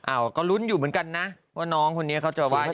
อ้าวก็รุ้นอยู่เหมือนกันนะว่าน้องคนนี้เขาจะวาดยังไง